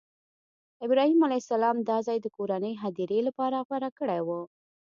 ابراهیم علیه السلام دا ځای د کورنۍ هدیرې لپاره غوره کړی و.